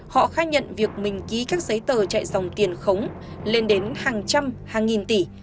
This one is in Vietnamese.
họ khai nhận việc mình ký các giấy tờ chạy dòng tiền khống lên đến hàng trăm hàng nghìn tỷ